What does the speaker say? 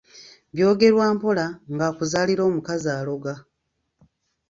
“Byogerwa mpola ng'akuzaalira omukazi aloga”